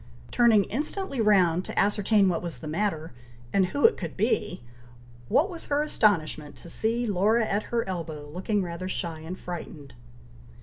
Turning instantly round to ascertain what was the matter, and who it could be, what was her astonishment to see Laura at her elbow, looking rather shy and frightened.